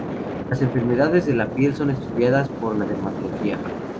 Las enfermedades de la piel son estudiadas por la dermatología.